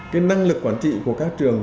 cái năng lực quản trị của các trường